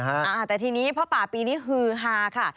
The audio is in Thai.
แต่ทีนี้ผ้าป่าปีนี้ฮือฮาค่ะ